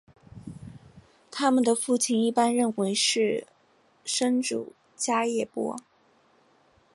他们的父亲一般认为是生主迦叶波。